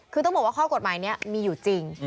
คือต้องบอกว่าข้อกฎหมายนี้มีอยู่จริง